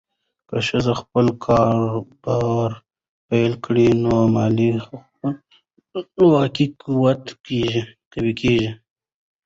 که ښځه خپل کاروبار پیل کړي، نو مالي خپلواکي قوي کېږي.